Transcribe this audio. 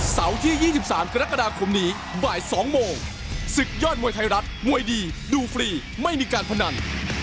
โปรดติดตามตอนต่อไป